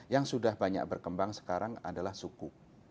yang sudah banyak berkembang sekarang adalah suku